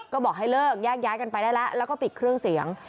ก็บอกให้เลิกแยกย้ายกันไปได้แล้วแล้วก็ปิดเครื่องเสียง